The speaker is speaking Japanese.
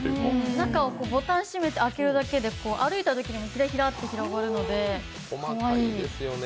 中をボタンを閉めて開けるだけで歩いたときにもヒラヒラと広がるので、かわいい。